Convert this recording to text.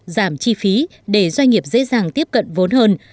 giảm chi phí để doanh nghiệp dễ dàng tiếp cận vốn hơn